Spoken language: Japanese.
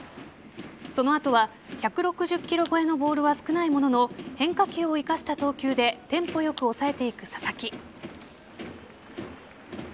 その後は１６０キロ超えのボールは少ないものの変化球を生かした投球でテンポよく抑えていく佐々木。